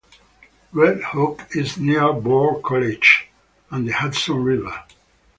Red Hook is near Bard College and the Hudson River.